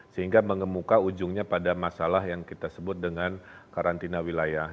sehingga mengemuka ujungnya pada masalah yang kita sebut dengan karantina wilayah